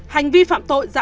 hành vi phạm tội dã man